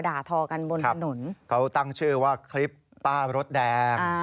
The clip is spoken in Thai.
โอ้โฮของชั่งสอนแล้วพวกเธอ